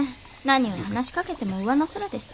何を話しかけても上の空です。